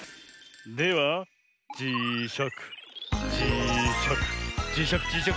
ではじしゃくじしゃくじしゃくじしゃく